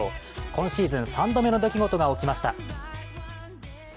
今シーズン３度目の出来事が起きました。